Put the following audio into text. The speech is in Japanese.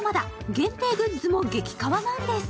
限定グッズも激かわなんです。